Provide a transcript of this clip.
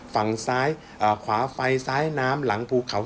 ฝั่งซ้ายขวาไฟซ้ายน้ำหลังภูเขา